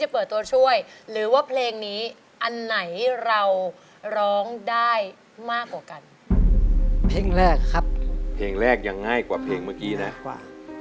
เพลงแรกยังง่ายกว่าเพลงเมื่อกี้นะ